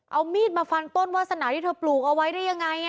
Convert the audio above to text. เอามีดมาฟันต้นวาสนาที่เธอปลูกเอาไว้ได้ยังไง